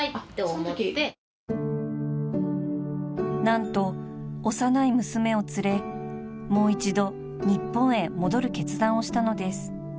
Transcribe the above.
［何と幼い娘を連れもう一度日本へ戻る決断をしたのです］